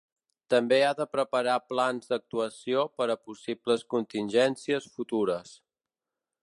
També ha de preparar plans d'actuació per a possibles contingències futures.